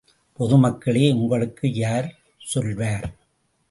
பொதுமக்களே, உங்களுக்கு யார் சொல்வார்?